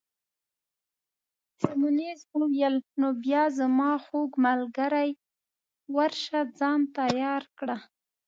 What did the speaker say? سیمونز وویل: نو بیا زما خوږ ملګرې، ورشه ځان تیار کړه.